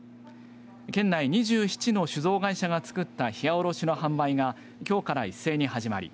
県内２７の酒造会社がつくったひやおろしの販売がきょうから一斉に始まり